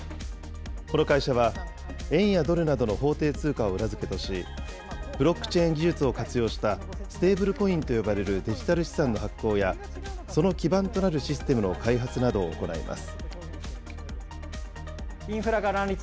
この会社は、円やドルなどの法定通貨を裏付けとし、ブロックチェーン技術を活用したステーブルコインと呼ばれるデジタル資産の発行や、その基盤となるシステムの開発などを行います。